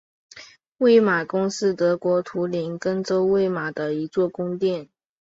魏玛宫是德国图林根州魏玛的一座宫殿。